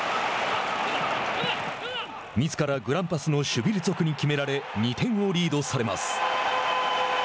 ミスからグランパスのシュヴィルツォクに決められ２点をリードされます。